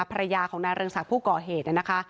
ภรรยาของนายเรืองศักดิ์ผู้ก่อเหตุนะคะ